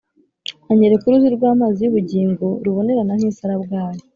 Anyereka uruzi rw’amazi y’ubugingo rubonerana nk’isarabwayi,